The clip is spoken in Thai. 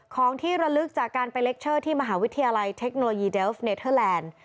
ของที่ระลึกจากการไปเล็กเชอร์ที่มหาวิทยาลัยเทคโนโลยีเดลฟเนเทอร์แลนด์